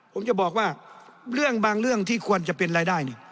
ผมจะบอกว่าเรื่องบางเรื่องที่ควรจะเป็นรายได้นี่